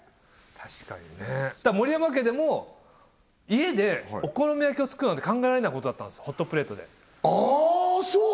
確かにね森山家でも家でお好み焼きをつくるなんて考えられないことだったんですホットプレートでああそう！